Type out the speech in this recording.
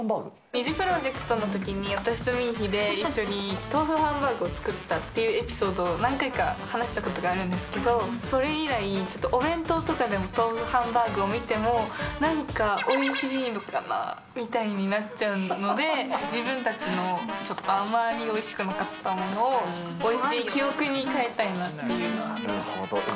ニジプロジェクトのときに、私とＭＩＩＨＩで豆腐ハンバーグを作ったっていうエピソード、何回か話したことあるんですけど、それ以来、ちょっとお弁当とかで豆腐ハンバーグを見ても、なんかおいしいのかなみたいになっちゃうので、自分たちのちょっとあまりおいしくなかったものをおいしい記憶になるほど。